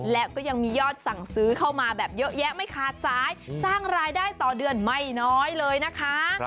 และก็ยังมียอดสั่งซื้อเข้ามาแบบเยอะแยะไม่ขาดสายสร้างรายได้ต่อเดือนไม่น้อยเลยนะคะ